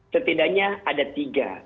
setidaknya ada tiga